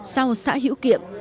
sau xã hiễu kiệm